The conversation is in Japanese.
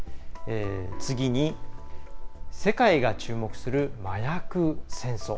次に、世界が注目する麻薬戦争。